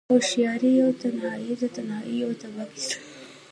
هوښياری يوه تنهايی ده، تنهايی يوه تباهی ده